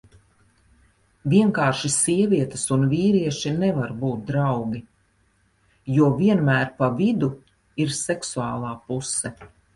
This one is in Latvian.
Vienkārši sievietes un vīrieši nevar būt draugi, jo vienmēr pa vidu ir seksuālā puse.